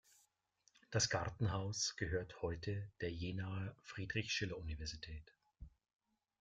Das Gartenhaus gehört heute der Jenaer Friedrich-Schiller-Universität.